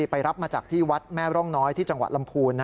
รับมาจากที่วัดแม่ร่องน้อยที่จังหวัดลำพูน